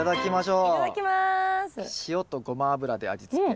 塩とごま油で味付け。